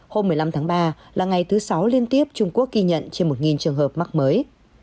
hôm một mươi năm tháng ba là ngày thứ sáu liên tiếp trung quốc ghi nhận trên một trường hợp mắc mới